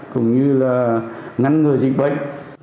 cùng như ngăn ngừa dịch bệnh